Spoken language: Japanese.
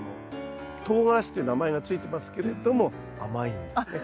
とうがらしっていう名前が付いてますけれども甘いんですね。